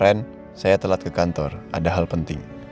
kemarin saya telat ke kantor ada hal penting